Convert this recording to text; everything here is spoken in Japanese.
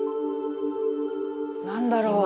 何だろう？